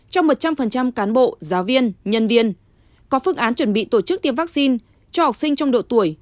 cho một trăm linh cán bộ giáo viên nhân viên có phương án chuẩn bị tổ chức tiêm vaccine cho học sinh trong độ tuổi